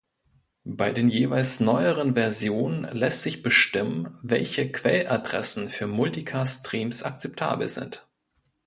Bei den jeweils neueren Versionen lässt sich bestimmen, welche Quell-Adressen für Multicast-Streams akzeptabel sind.